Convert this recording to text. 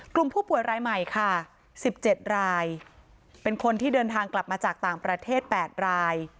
กลุ่มผู้ป่วยรายใหม่ค่ะ๑๗รายเป็นคนที่เดินทางกลับมาจากต่างประเทศ๘ราย